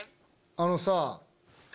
あのさぁ。